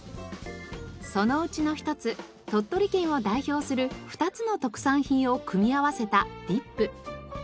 そのうちの一つ鳥取県を代表する２つの特産品を組み合わせたディップ。